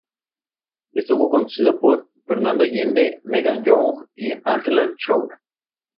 Estuvo conducida por Fernando Allende, Megan Young y Angela Chow.